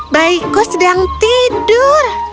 baikku sedang tidur